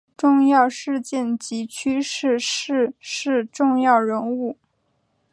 重要事件及趋势逝世重要人物